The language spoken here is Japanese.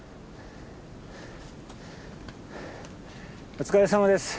お疲れさまです。